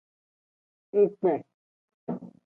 Ngkpen.